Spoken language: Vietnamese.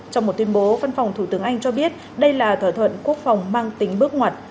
trong một tuyên bố văn phòng thủ tướng anh cho biết đây là thỏa thuận quốc phòng mang tính bước ngoặt